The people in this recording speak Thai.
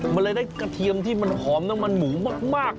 มันเลยได้กระเทียมที่มันหอมน้ำมันหมูมาก